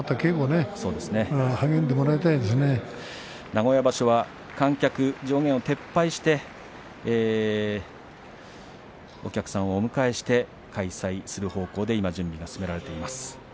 名古屋場所は観客上限を撤廃してお客さんをお迎えして開催する方向で今準備が進められています。